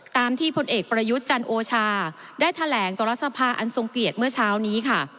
ที่พลเอกประยุทธ์จันโอชาได้แถลงสรสภาอันทรงเกียรติเมื่อเช้านี้ค่ะ